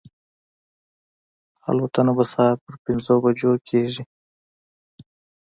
الوتنه به سهار پر پنځو بجو کېږي.